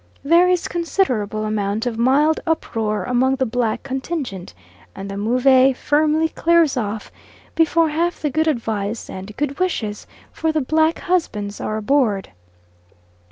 There is a considerable amount of mild uproar among the black contingent, and the Move firmly clears off before half the good advice and good wishes for the black husbands are aboard.